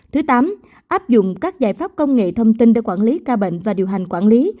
thứ tám áp dụng các giải pháp công nghệ thông tin để quản lý ca bệnh và điều hành quản lý